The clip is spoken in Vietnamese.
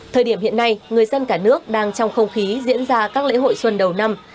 thời điểm hiện nay người dân cả nước đang trong không khí diễn ra các lễ hội xuân đầu năm